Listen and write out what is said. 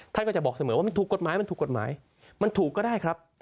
คุณตัวผู้บอกเสมอเขาจะบอกว่าถูกกฎหมายเป็นถูกก็ได้ครับ